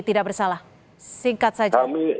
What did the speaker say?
tidak bersalah singkat saja